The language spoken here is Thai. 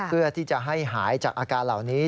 เพื่อที่จะให้หายจากอาการเหล่านี้